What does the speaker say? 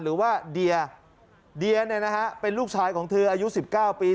หรือว่าเดียเดียเนี่ยนะฮะเป็นลูกชายของเธออายุ๑๙ปี